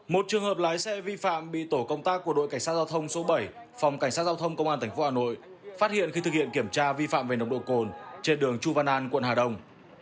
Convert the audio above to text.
một trường hợp lái xe vi phạm bị tổ công tác của đội cảnh sát giao thông số bảy phòng cảnh sát giao thông công an tp hà nội phát hiện khi thực hiện kiểm tra vi phạm về nồng độ cồn trên đường chu văn an quận hà đông